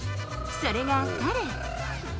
それが彼。